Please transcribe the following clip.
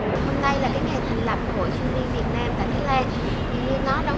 hôm nay lên là cái nghề thành lập hội sinh viên việt nam tại thái lan